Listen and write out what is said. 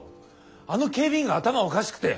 あの警備員が頭おかしくて。